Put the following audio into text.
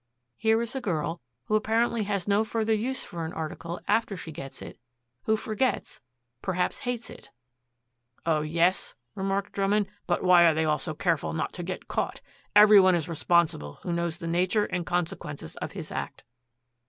Here is a girl who apparently has no further use for an article after she gets it, who forgets, perhaps hates it." "Oh, yes," remarked Drummond; "but why are they all so careful not to get caught? Every one is responsible who knows the nature and consequences of his act."